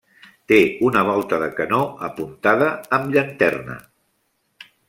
Té una volta de canó apuntada amb llanterna.